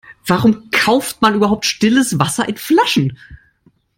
Warum kauft man überhaupt stilles Wasser in Flaschen?